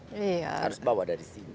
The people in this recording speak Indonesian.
harus bawa dari sini